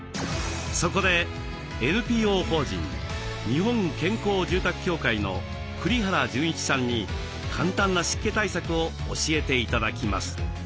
そこでＮＰＯ法人日本健康住宅協会の栗原潤一さんに簡単な湿気対策を教えて頂きます。